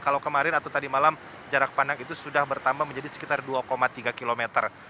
kalau kemarin atau tadi malam jarak pandang itu sudah bertambah menjadi sekitar dua tiga kilometer